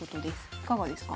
いかがですか？